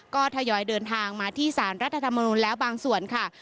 ก็ทยอยเดินทางมาที่สารรัฐธรรมนุนแล้วบางส่วนค่ะ